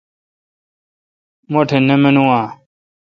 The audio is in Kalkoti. مہ ٹھ نہ منون اہ؟